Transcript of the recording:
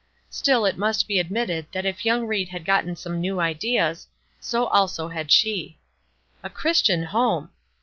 Still it must be admitted that if young Ried had gotten some new ideas, so also had she. "A Christian home!"